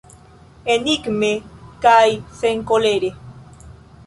Enigme kaj senkolere.